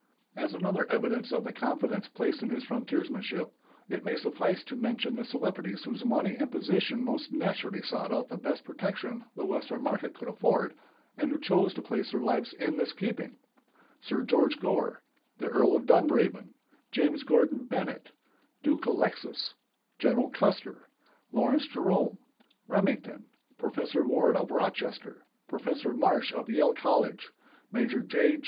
As another evidence of the confidence placed in his frontiersmanship, it may suffice to mention the celebrities whose money and position most naturally sought the best protection the Western market could afford, and who chose to place their lives in his keeping: Sir George Gore, the Earl of Dunraven, James Gordon Bennett, Duke Alexis, General Custer, Lawrence Jerome, Remington, Professor Ward of Rochester, Professor Marsh of Yale College, Maj. J.